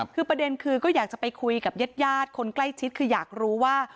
คือประเด็นคือก็อยากจะไปคุยกับญาติคนใกล้ชิดคืออยากรู้ว่า